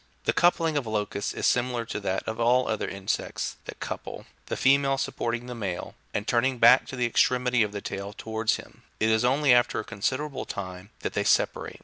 The coupling of locusts is similar to that of all other insects that couple, the female supporting the male, and turning back the extremity of the tail towards him ; it is only after a considerable time that they separate.